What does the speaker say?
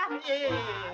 wah ini tapi loberang